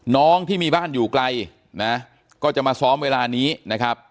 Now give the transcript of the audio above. น้องที่มีบ้านอยู่ไกลนะก็จะมาซ้อมเวลานี้นะครับ